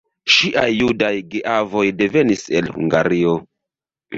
Ŝiaj judaj geavoj devenis el Hungario.